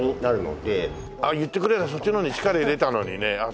言ってくれればそっちの方に力入れたのにね。